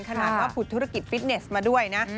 ขนาดว่าผุดธุรกิจฟิตเนสมาด้วยนะ